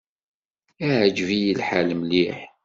Iεǧeb-iyi lḥal mliḥ.